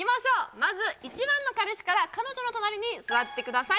まず１番の彼氏から彼女の隣に座ってください